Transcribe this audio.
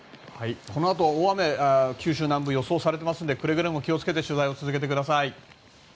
このあと大雨が九州南部に予想されているのでくれぐれも気を付けて取材を続けてください。